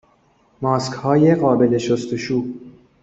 ماسکهای قابل شستشو